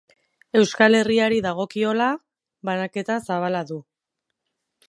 Euskal Herriari dagokiola, banaketa zabala du.